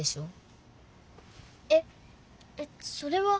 ええっそれは。